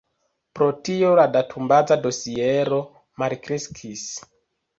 Pro tio la datumbaza dosiero malkreskis.